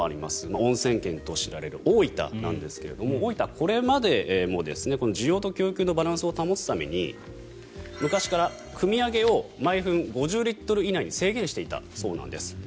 温泉県として知られる大分なんですが大分はこれまでも需要と供給のバランスを保つために昔からくみ上げを毎分５０リットル以内に制限していたそうです。